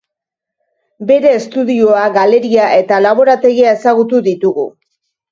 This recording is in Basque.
Bere estudioa, galeria eta laborategia ezagutu ditugu.